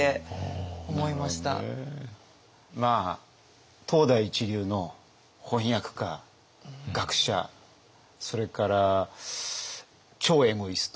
まあ当代一流の翻訳家学者それから超エゴイスト。